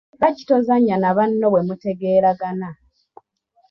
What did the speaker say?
Lwaki tozannya na banno bwe mutegeeragana?